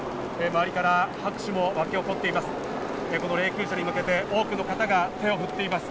周りから拍手も沸き起こっています。